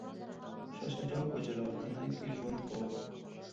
شاه شجاع په جلاوطنۍ کي ژوند کاوه.